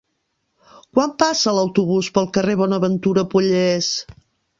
Quan passa l'autobús pel carrer Bonaventura Pollés?